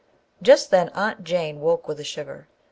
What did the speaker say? Just then Aunt Jane woke with a shiver.